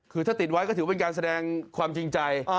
คือถ้าติดไว้ก็ถือเป็นการแสดงความจริงใจ